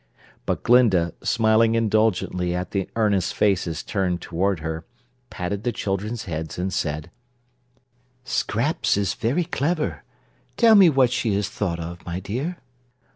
But Glinda, smiling indulgently at the earnest faces turned toward her, patted the children's heads and said: "Scraps is very clever. Tell us what she has thought of, my dear."